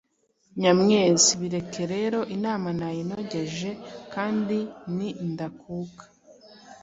Nyamwezi: Bireke rero inama nayinogeje kandi ni ndakuka.